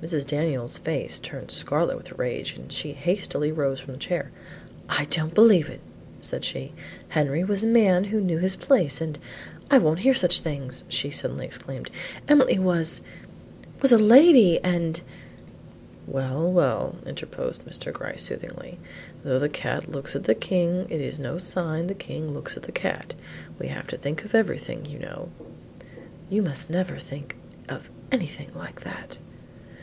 Mrs. Daniels' face turned scarlet with rage and she hastily rose from the chair. "I don't believe it," said she; "Henry was a man who knew his place, and I won't hear such things," she suddenly exclaimed; "Emily was was a lady, and " "Well, well," interposed Mr. Gryce soothingly, "though the cat looks at the king, it is no sign the king looks at the cat. We have to think of everything you know." "You must never think of anything like that."